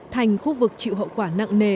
thành khu vực chịu hậu quả nặng nề